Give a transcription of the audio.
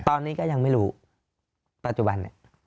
ตอนนี้ก็ยังไม่รู้ปัจจุบันเนี่ย